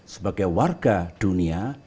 sebagai warga dunia